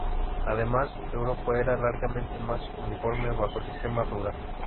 Además, Europa era largamente más uniforme bajo el sistema feudal.